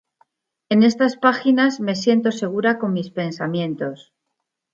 En estas páginas, me siento segura con mis pensamientos.